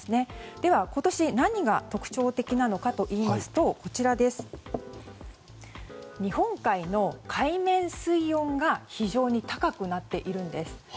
では、今年何が特徴的なのかといいますと日本海の海面水温が非常に高くなっているんです。